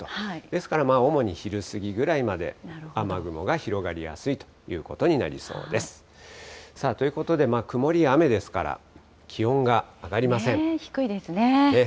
ですから、主に昼過ぎぐらいまで、雨雲が広がりやすいということになりそうです。ということで、曇りや雨ですから、低いですね。